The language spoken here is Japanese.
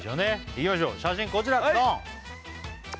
いきましょう写真こちらドン！